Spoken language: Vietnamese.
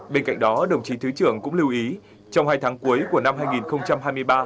bên cạnh đó đồng chí thứ trưởng cũng lưu ý trong hai tháng cuối của năm hai nghìn hai mươi ba